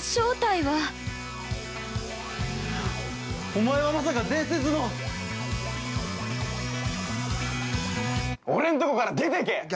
◆おまえはまさか伝説の。◆俺んとこから出てけ！